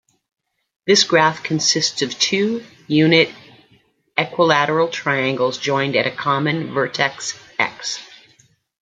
This graph consists of two unit equilateral triangles joined at a common vertex-"x".